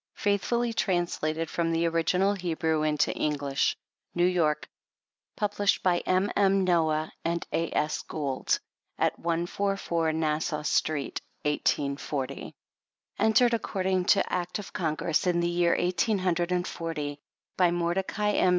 FAITHFnLLY TRANSLATED FROM THE ORIGINAL HEBREW INTO ENGLISH. NEW YORK : PUBLISHED BY M. M. NOAH & A. S. GOULD, AT 144 NASSAU STREET. 1840. C*/^, Entered according to Act of Congress, in the year eighteen hundred and forty, by Morde cai M.